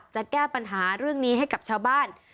จะแก้ปัญหาเรื่องนี้ให้กับชาวบ้าน